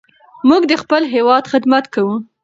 موږ د خپل هېواد خدمت کوو.